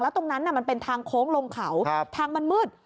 ตรงนั้นมันเป็นทางโค้งลงเขาทางมันมืด